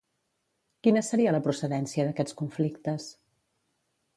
Quina seria la procedència d'aquests conflictes?